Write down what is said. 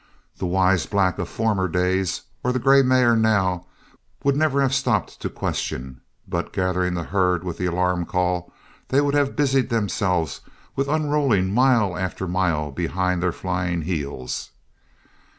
The wise black of former days, or the grey mare now, would never have stopped to question, but gathering the herd with the alarm call, they would have busied themselves with unrolling mile after mile behind their flying heels.